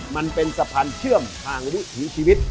มันเป็นสะพานเชื่อมทางวิถีชีวิต